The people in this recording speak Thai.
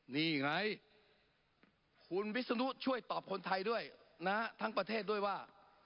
นี่ไงคุณวิศนุช่วยตอบคนไทยด้วยนะทั้งประเทศด้วยว่า